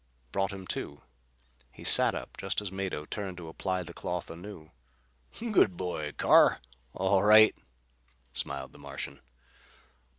Brought him to. He sat up just as Mado turned to apply the cloth anew. "Good boy, Carr! All right?" smiled the Martian.